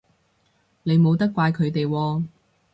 你冇得怪佢哋喎